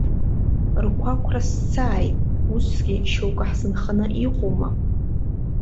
Рқәақәра сцааит, усгьы шьоукы ҳзынханы иҟоума?!